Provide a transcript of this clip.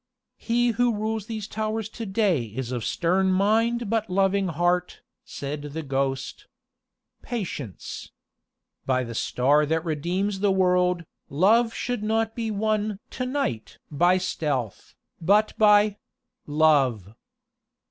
"He who rules these towers to day is of stern mind but loving heart," said the ghost. "Patience. By the Star that redeems the world, love should not be won to night by stealth, but by love."